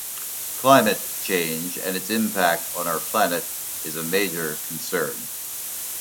Climate change and its impact on our planet is a major concern.